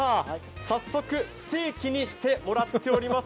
早速、ステーキにしてもらっております。